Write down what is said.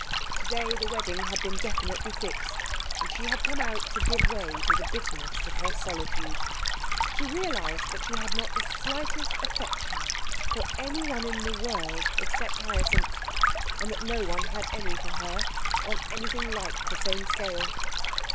Today the wedding had been definitely fixed, and she had come out to give way to the bitterness of her solitude. She realised that she had not the slightest affection for anyone in the world except Hyacinth, and that no one had any for her, on anything like the same scale.